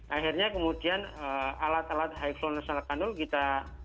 akhirnya kemudian alat alat high flow nasal cannula kita